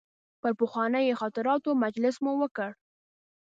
پر پخوانیو خاطراتو مجلس مو وکړ.